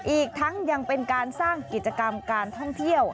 อีกทั้งยังเป็นการสร้างกิจกรรมการท่องเที่ยว